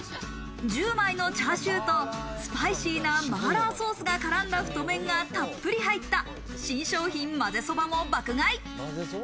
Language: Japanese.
１０枚のチャーシューとスパイシーな麻辣ソースが絡んだ太麺がたっぷり入った新商品、まぜそばも爆買い。